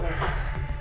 aku mau ke rumah